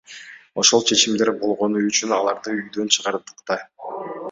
Ошол чечимдер болгону үчүн аларды үйдөн чыгардык да.